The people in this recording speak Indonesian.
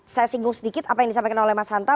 saya singgung sedikit apa yang disampaikan oleh mas hanta